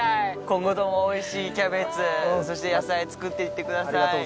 今後ともおいしいキャベツそして野菜を作っていってください。